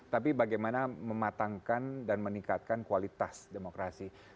tapi bagaimana mematangkan dan meningkatkan kualitas demokrasi